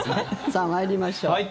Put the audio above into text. さあ、参りましょう。